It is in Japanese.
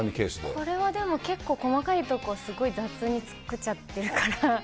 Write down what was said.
これはでも、結構細かいところすごい雑に作っちゃってるから。